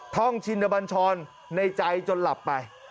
ท่องชินบัญชรในใจจนหลับไป